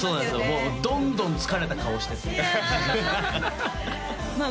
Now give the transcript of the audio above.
もうどんどん疲れた顔してっていやまあ